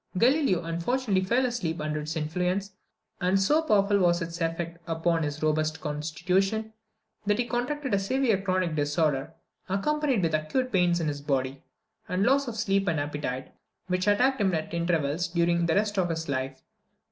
Galileo unfortunately fell asleep under its influence; and so powerful was its effect upon his robust constitution, that he contracted a severe chronic disorder, accompanied with acute pains in his body, and loss of sleep and appetite, which attacked him at intervals during the rest of his life.